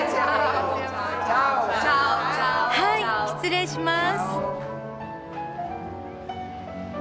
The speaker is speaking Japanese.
はい失礼します。